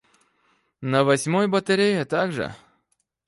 На восьмой батарее так же.